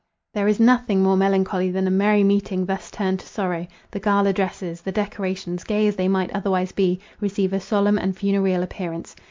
There is nothing more melancholy than a merry meeting thus turned to sorrow: the gala dresses—the decorations, gay as they might otherwise be, receive a solemn and funereal appearance.